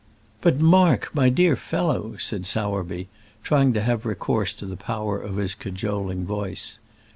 "But, Mark, my dear fellow " said Sowerby, trying to have recourse to the power of his cajoling voice.